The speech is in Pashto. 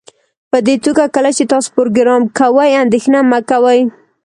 پدې توګه کله چې تاسو پروګرام کوئ اندیښنه مه کوئ